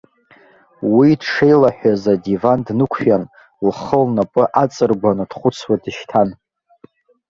Уи дшеилаҳәаз адиван днықәиан, лхы лнапы аҵыргәаны дхәыцуа дышьҭан.